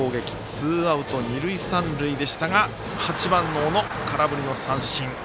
ツーアウト、二塁三塁でしたが８番の小野、空振り三振。